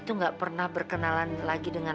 itu nggak pernah berkenalan lagi dengan